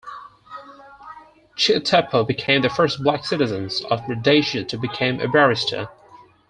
Chitepo became the first black citizen of Rhodesia to become a barrister.